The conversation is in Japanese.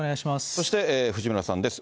そして藤村さんです。